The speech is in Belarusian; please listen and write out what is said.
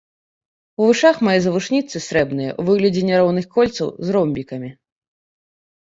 У вушах мае завушніцы срэбраныя ў выглядзе няроўных кольцаў з ромбікамі.